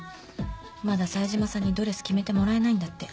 まだ冴島さんにドレス決めてもらえないんだって。